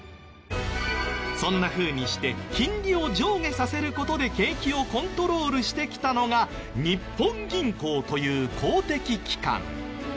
そんなふうにして金利を上下させる事で景気をコントロールしてきたのが日本銀行という公的機関。